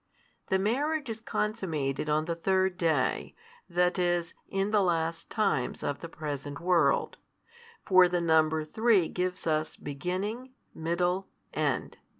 The marriage is consummated on the third day, that is, in the last times of the present world: for the number three gives us beginning, middle, end.